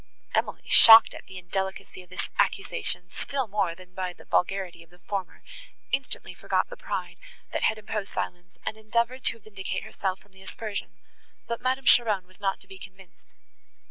Emily, shocked at the indelicacy of this accusation, still more than by the vulgarity of the former, instantly forgot the pride, that had imposed silence, and endeavoured to vindicate herself from the aspersion, but Madame Cheron was not to be convinced.